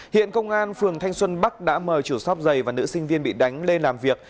hiện công an phường thanh xuân bắc đã mời chủ shop giày và nữ sinh viên bị đánh lên làm việc